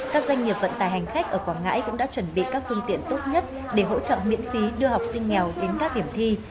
các doanh nghiệp vận tải hành khách ở quảng ngãi cũng đã chuẩn bị các phương tiện tốt nhất để hỗ trợ miễn phí đưa học sinh nghèo đến các điểm thi